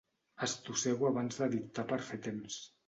Estossego abans de dictar per fer temps.